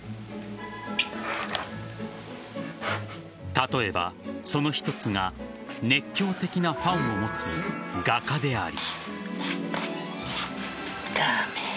例えばその一つが熱狂的なファンを持つ画家であり。